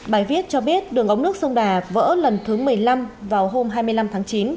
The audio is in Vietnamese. bài viết cho biết đường ống nước sông đà vỡ lần thứ một mươi năm vào hôm hai mươi năm tháng chín